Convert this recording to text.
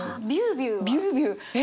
「ビュービュー」は？